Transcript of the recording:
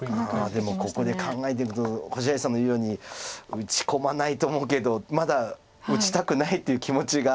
でもここで考えると星合さんの言うように打ち込まないと思うけどまだ打ちたくないっていう気持ちが。